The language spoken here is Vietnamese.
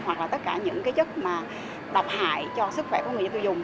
hoặc là tất cả những cái chất mà độc hại cho sức khỏe của người dân tiêu dùng